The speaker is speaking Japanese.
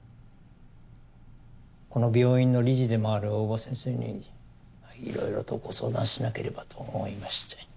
この病院の理事でもある大庭先生にいろいろとご相談しなければと思いまして。